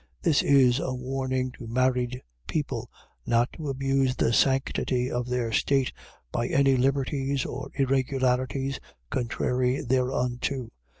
This is a warning to married people, not to abuse the sanctity of their state, by any liberties or irregularities contrary thereunto.